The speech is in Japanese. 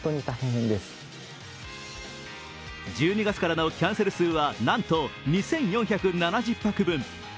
１２月からのキャンセル数はなんと２４７０泊分。